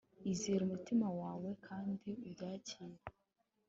izere umutima wawe kandi ubyakire